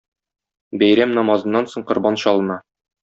Бәйрәм намазыннан соң корбан чалына.